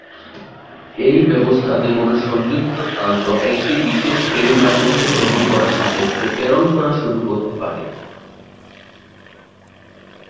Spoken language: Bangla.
এই ব্যবস্থাতে কোনো সংযুক্ত প্রান্ত একটি বিশেষ ফ্রেম বা টোকেন গ্রহণ করা সাপেক্ষে প্রেরণ করা শুরু করতে পারে।